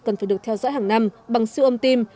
cần phải được theo dõi hàng năm bằng siêu âm tim